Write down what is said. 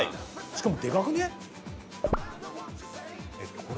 しかもでかくね？